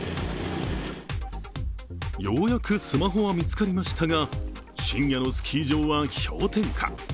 ようやくスマホは見つかりましたが、深夜のスキー場は氷点下。